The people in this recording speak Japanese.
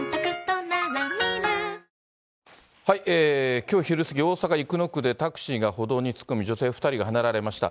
きょう昼過ぎ、大阪・生野区でタクシーが歩道に突っ込み、女性２人がはねられました。